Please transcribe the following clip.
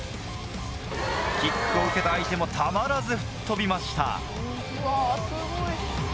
キックを受けた相手もたまらず吹っ飛びました。